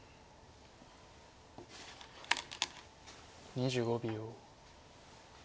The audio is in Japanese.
２５秒。